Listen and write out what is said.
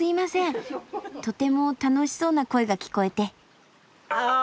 とても楽しそうな声が聞こえて。